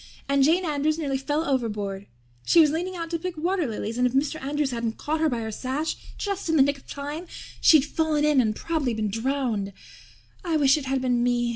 And Jane Andrews nearly fell overboard. She was leaning out to pick water lilies and if Mr. Andrews hadn't caught her by her sash just in the nick of time she'd fallen in and prob'ly been drowned. I wish it had been me.